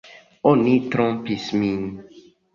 Oni trompis min!